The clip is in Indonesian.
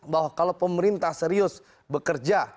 bahwa kalau pemerintah serius bekerja